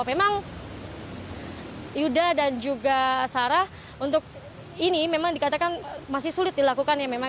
memang yuda dan juga sarah untuk ini memang dikatakan masih sulit dilakukan ya memang